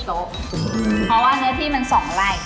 ๖๐โต๊ะเพราะว่าเนื้อที่มัน๒แรง